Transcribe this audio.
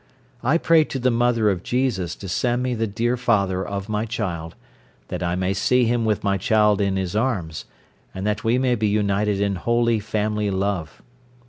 I pray to the Mother of Jesus to send me the dear father of my child, that I may see him with my child in his arms, and that we may be united in holy family love.